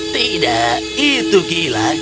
tidak itu gila